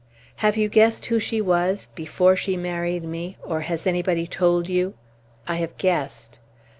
"Have you guessed who she was before she married me or has anybody told you?" "I have guessed."